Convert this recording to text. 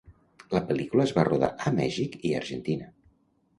La pel·lícula es va rodar a Mèxic i Argentina.